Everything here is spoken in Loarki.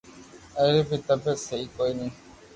اي ري بي طبعيت سھي ڪوئي ني